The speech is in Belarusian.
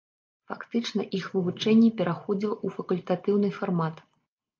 Фактычна іх вывучэнне пераходзіла ў факультатыўны фармат.